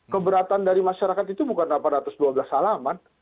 keberatan dari masyarakat itu bukan delapan ratus dua belas alamat